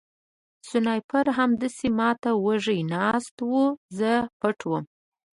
سنایپر همداسې ما ته وږی ناست و او زه پټ وم